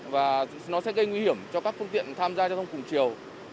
và nó sẽ gây nguy hiểm cho các phương tiện tham gia giao thông cùng chiều